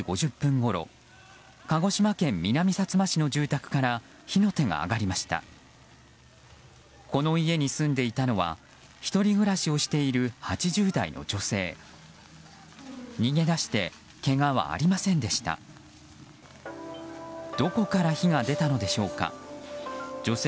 この家に住んでいたのは１人暮らしをしている８０代の女性。